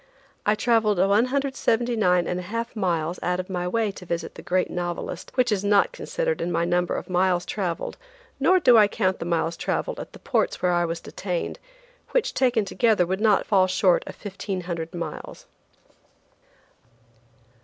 I traveled 179 1/2 miles out of my way to visit the great novelist which is not considered in my number of miles traveled, nor do I count the miles traveled at the ports where I was detained, which taken together would not fall short of 1,500 miles.